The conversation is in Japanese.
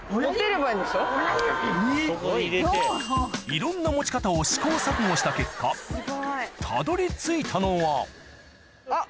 いろんな持ち方を試行錯誤した結果たどり着いたのはあっ。